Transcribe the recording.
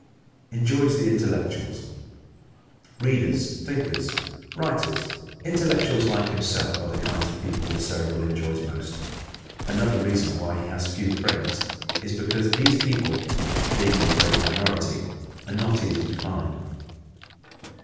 Enjoys the Intellectuals ¶ Readers, thinkers, writers intellectuals like himself are the kinds of people the Cerebral enjoys most. Another reason why he has few friends is because these people, being in the great minority, are not easy to find.